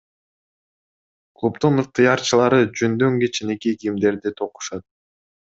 Клубдун ыктыярчылары жүндөн кичинекей кийимдерди токушат.